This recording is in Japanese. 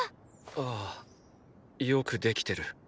あぁよくできてる。